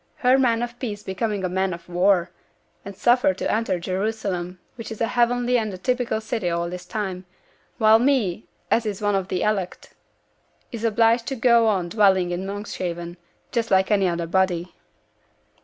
Her man of peace becoming a man of war; and suffered to enter Jerusalem, which is a heavenly and a typical city at this time; while me, as is one of the elect, is obliged to go on dwelling in Monkshaven, just like any other body.'